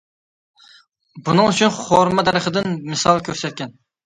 بۇنىڭ ئۈچۈن خورما دەرىخىدىن مىسال كۆرسەتكەن.